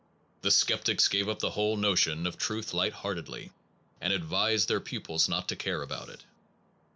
The sceptics gave up the whole notion of truth light heartedly, and advised their pupils The seep no t to care about it.